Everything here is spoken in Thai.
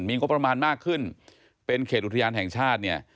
มีงบประมาณมากขึ้นเป็นเขตอุทยานแห่งชาติเนี่ย